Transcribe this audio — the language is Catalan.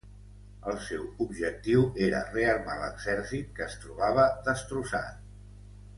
El seu objectiu era rearmar l'exèrcit que es trobava destrossat.